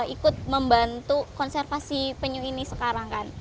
ikut membantu konservasi penyu ini sekarang kan